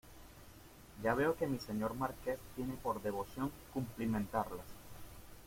ya veo que mi Señor Marqués tiene por devoción cumplimentarlas.